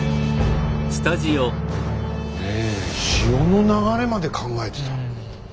潮の流れまで考えてた。